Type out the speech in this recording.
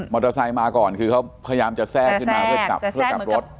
พี่ชายมาก่อนคือเขาพยายามจะแทรกขึ้นมาเพื่อกลับรถ